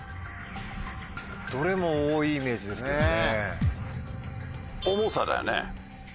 どれも多いイメージですけどね。